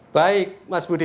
baik mas budi